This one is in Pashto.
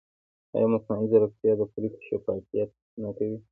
ایا مصنوعي ځیرکتیا د پرېکړې شفافیت نه کموي؟